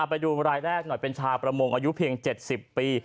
ไปดูรายแรกหน่อยเป็นชาวประมงอายุเพียง๗๐ปี